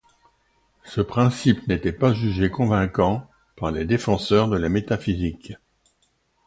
Ce principe n’était pas jugé convaincant par les défenseurs de la métaphysique.